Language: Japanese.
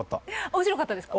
面白かったですか？